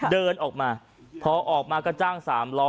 เดินออกมาพอออกมาก็จ้าง๓ล้อ